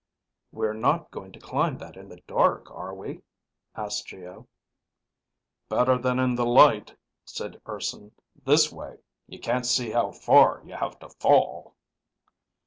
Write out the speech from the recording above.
"We're not going to climb that in the dark, are we?" asked Geo. "Better than in the light," said Urson. "This way you can't see how far you have to fall."